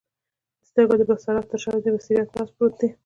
د سترګو د بصارت تر شاه دي د بصیرت راز پروت دی